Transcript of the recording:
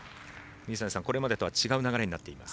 水谷さん、これまでとは違う流れになっています。